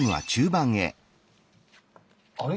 あれ？